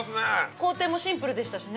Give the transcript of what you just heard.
工程もシンプルでしたしね。